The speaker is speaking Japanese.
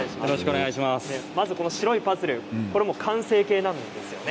まず白いパズル完成形なんですよね。